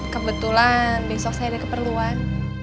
kebetulan besok saya ada keperluan